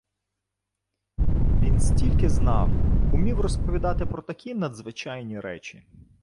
Він стільки знав! Умів розповідати про такі надзвичайні речі!